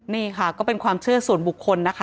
นี่ค่ะก็เป็นความเชื่อส่วนบุคคลนะคะ